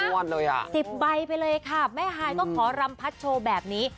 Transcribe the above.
๑๐ใบไปเลยค่ะแม่ฮายต้องขอรำพัดโชว์แบบนี้